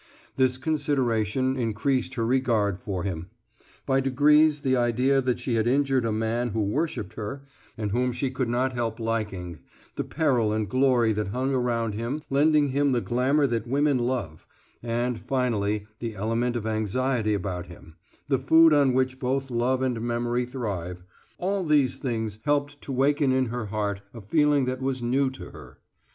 This consideration increased her regard for him. By degrees the idea that she had injured a man who worshiped her and whom she could not help liking, the peril and glory that hung around him lending him the glamour that women love, and, finally, the element of anxiety about him, the food on which both love and memory thrive, all these things helped to waken in her heart a feeling that was new to her.